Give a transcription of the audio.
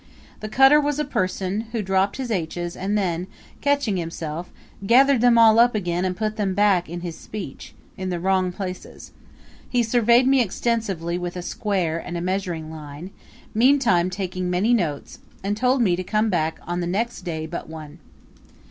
The cutter was a person who dropped his H's and then, catching himself, gathered them all up again and put them back in his speech in the wrong places. He surveyed me extensively with a square and a measuring line, meantime taking many notes, and told me to come back on the next day but one.